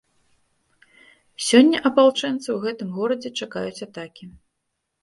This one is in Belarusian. Сёння апалчэнцы ў гэтым горадзе чакаюць атакі.